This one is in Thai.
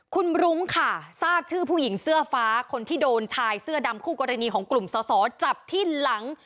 คุณรุ้งค่ะทราบชื่อผู้หญิงเสื้อฟ้าคนที่โดนชายเสื้อดำคู่กรณีของกลุ่มสอสอจับที่หลัง